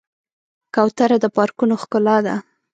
کوتره د پارکونو ښکلا ده.